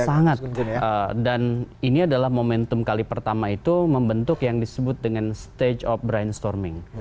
sangat dan ini adalah momentum kali pertama itu membentuk yang disebut dengan stage of brainstorming